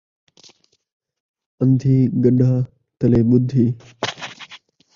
اندھی گݙاہ تلے ٻدھی